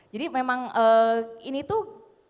jadi memang ini tuh